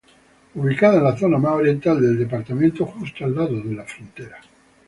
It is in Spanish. Ubicada en la zona más oriental del departamento, justo al lado de la frontera.